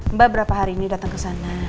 mbak berapa hari ini datang kesana